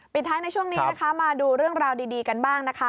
ท้ายในช่วงนี้นะคะมาดูเรื่องราวดีกันบ้างนะคะ